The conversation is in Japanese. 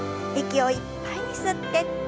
息をいっぱいに吸って。